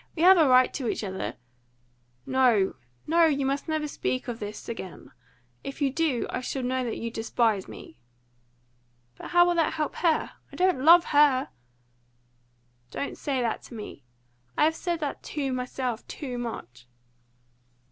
We have a right to each other " "No! no! you must never speak to me of this again. If you do, I shall know that you despise me." "But how will that help her? I don't love HER." "Don't say that to me! I have said that to myself too much."